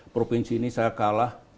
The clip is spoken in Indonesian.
provinsi ini saya kalah